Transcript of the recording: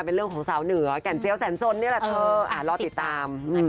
เป็นเรื่องของสาวเหนือแก่นเซียวแสนสนนี่แหละเธอรอติดตาม